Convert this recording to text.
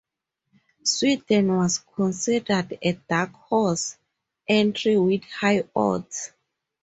Sweden was considered a "dark horse" entry with high odds.